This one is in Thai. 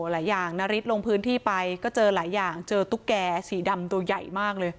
หลายอย่างนาริสลงพื้นที่ไปก็เจอหลายอย่างเจอตุ๊กแก่สีดำตัวใหญ่มากเลย